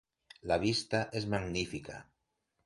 La vista és magnífica.